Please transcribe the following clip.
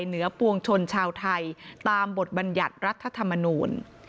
เหนือปวงชนชาวไทยตามบทบรรยัตรรัฐธรรมนูญ